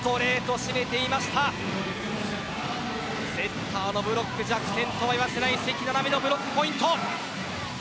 セッターのブロック弱点とは言わせない関菜々巳のブロックポイント。